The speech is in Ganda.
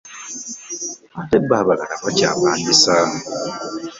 Ate bo abalala bakyapangisa.